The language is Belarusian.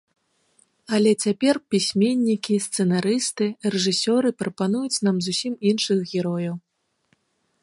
Але цяпер пісьменнікі, сцэнарысты, рэжысёры прапануюць нам зусім іншых герояў.